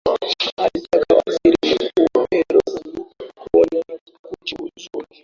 alimtaka waziri mkuu beros koni kujiuzulu